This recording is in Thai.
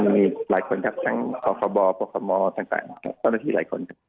มีหลายคนครับทั้งภาคบอร์ภาคมอร์ตั้งแต่ต้นที่หลายคนครับ